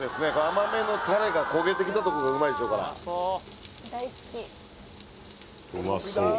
甘めのタレが焦げてきたとこがうまいでしょうからうまそう